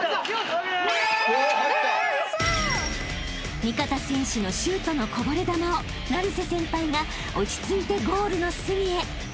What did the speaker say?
［味方選手のシュートのこぼれ球を成瀬先輩が落ち着いてゴールの隅へ］